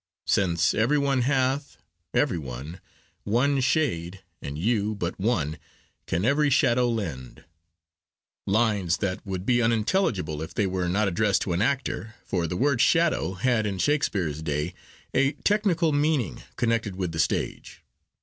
Since every one hath, every one, one shade, And you, but one, can every shadow lend— lines that would be unintelligible if they were not addressed to an actor, for the word 'shadow' had in Shakespeare's day a technical meaning connected with the stage.